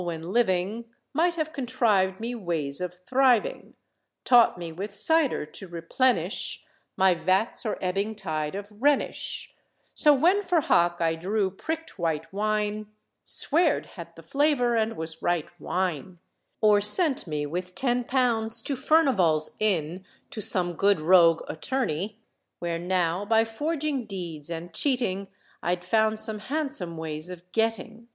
when living, Might have contrived me ways of thriving, Taught me with cider to replenish My vats or ebbing tide of Rhenish; So when for hock I drew pricked white wine, Swear't had the flavour, and was right wine; Or sent me with ten pounds to Furni val's Inn, to some good rogue attorney, Where now, by forging deeds and cheating, I'd found some handsome ways of getting.